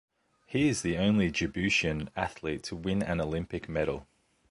He is the only Djiboutian athlete to win an Olympic medal.